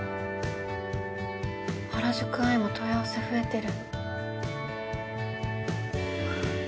『原宿アイ』も問い合わせ増えてる。